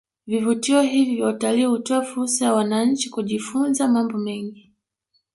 Vivutio hivi vya utalii hutoa fursa ya wananchi kujifunza mambo mengi